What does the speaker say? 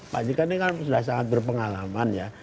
pak jk ini kan sudah sangat berpengalaman ya